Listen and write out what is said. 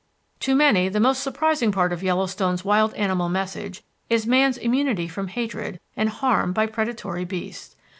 To many the most surprising part of Yellowstone's wild animal message is man's immunity from hatred and harm by predatory beasts.